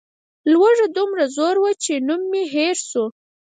لوږه دومره زور وه چې نوم مې هېر شو.